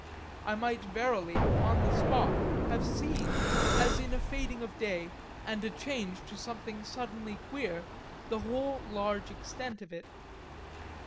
I might verily, on the spot, have seen, as in a fading of day and a change to something suddenly queer, the whole large extent of it.